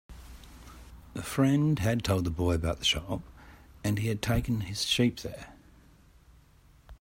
A friend had told the boy about the shop, and he had taken his sheep there.